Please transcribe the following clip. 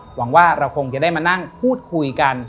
หวังว่าเราคงจะได้มานั่งพูดคุยกัน